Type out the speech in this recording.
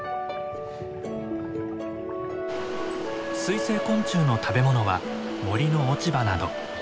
水生昆虫の食べ物は森の落ち葉など。